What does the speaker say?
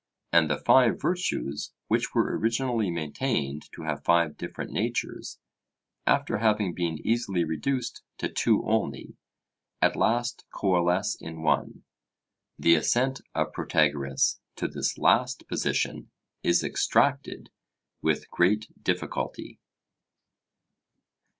And the five virtues, which were originally maintained to have five different natures, after having been easily reduced to two only, at last coalesce in one. The assent of Protagoras to this last position is extracted with great difficulty.